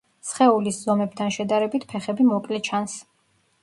სხეულის ზომებთან შედარებით ფეხები მოკლე ჩანს.